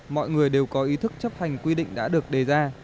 mọi người đều có ý thức chấp hành quy định đã được đề ra